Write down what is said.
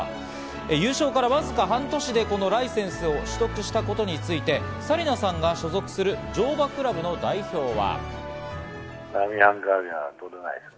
優勝からわずか半年でライセンスを取得したことについて紗理奈さんが所属する乗馬クラブの代表は。